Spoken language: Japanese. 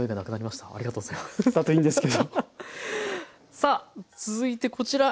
さあ続いてこちら。